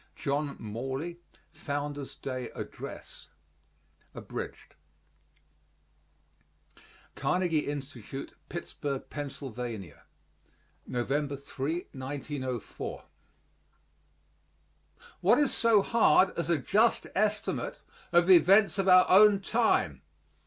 JOHN MORLEY FOUNDER'S DAY ADDRESS (Abridged) Carnegie Institute, Pittsburgh, Pa., November 3, 1904. What is so hard as a just estimate of the events of our own time?